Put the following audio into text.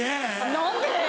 何で？